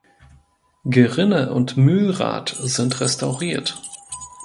Gerinne und Mühlrad sind restauriert.